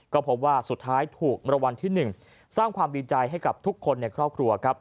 ก็พบว่าสุดท้ายถูกมรวรรณที่๑สร้างความดีใจให้กับทุกคนในครอบครัวครับ